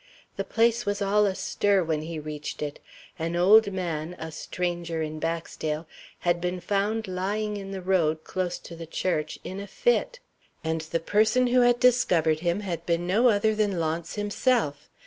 The place was all astir when he reached it. An old man a stranger in Baxdale had been found lying in the road, close to the church, in a fit; and the person who had discovered him had been no other than Launce himself.